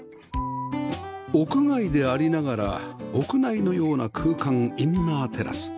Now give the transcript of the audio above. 屋外でありながら屋内のような空間インナーテラス